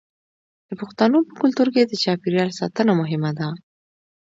د پښتنو په کلتور کې د چاپیریال ساتنه مهمه ده.